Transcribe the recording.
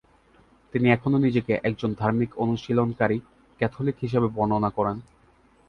তিনি এখনও নিজেকে একজন ধার্মিক অনুশীলনকারী ক্যাথলিক হিসাবে বর্ণনা করেন।